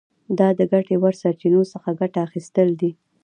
دا د ګټې وړ سرچینو څخه ګټه اخیستل دي.